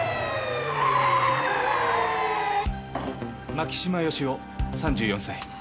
牧島良夫３４歳。